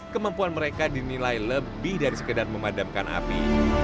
kemampuan mereka dinilai lebih dari sekedar memadamkan api